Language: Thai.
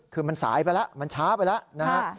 คือมันสายไปแล้วมันช้าไปแล้วนะฮะ